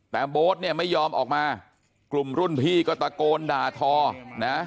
แต่โบ๊ทเนี่ยไม่ยอมออกมากลุ่มรุ่นพี่ก็ตะโกนด่าทอนะ